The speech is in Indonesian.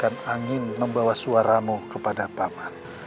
dan mengirimkan angin membawa suaramu kepada pak man